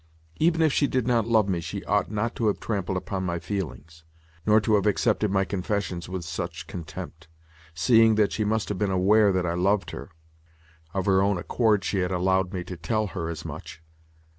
Even if she did not love me she ought not to have trampled upon my feelings, nor to have accepted my confessions with such contempt, seeing that she must have been aware that I loved her (of her own accord she had allowed me to tell her as much).